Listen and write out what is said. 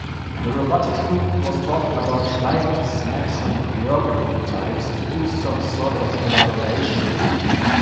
The robotics group was talking about trying to snag some geography types to do some sort of collaboration.